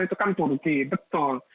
itu kan turki betul